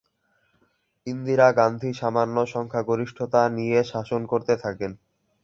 ইন্দিরা গান্ধী সামান্য সংখ্যাগরিষ্ঠতা নিয়ে শাসন করতে থাকেন।